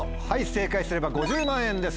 正解すれば５０万円です